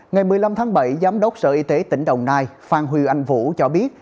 ngày một mươi năm tháng bảy giám đốc sở y tế tỉnh đồng nai phan huy anh vũ cho biết